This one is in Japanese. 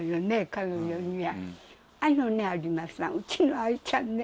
彼女には。